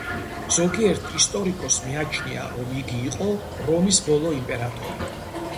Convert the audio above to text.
ზოგიერთ ისტორიკოსს მიაჩნია, რომ იგი იყო რომის ბოლო იმპერატორი.